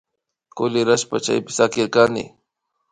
Kulirashpa chaypi sakirkani